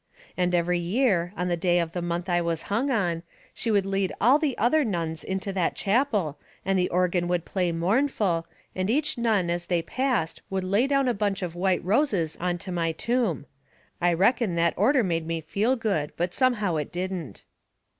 And every year, on the day of the month I was hung on, she would lead all the other nuns into that chapel, and the organ would play mournful, and each nun as passed would lay down a bunch of white roses onto my tomb. I reckon that orter made me feel good, but somehow it didn't.